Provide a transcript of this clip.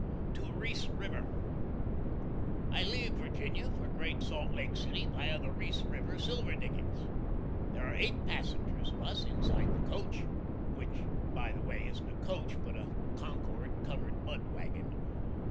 4.8. TO REESE RIVER. I leave Virginia for Great Salt Lake City, via the Reese River Silver Diggings. There are eight passengers of us inside the coach which, by the way, isn't a coach, but a Concord covered mud wagon.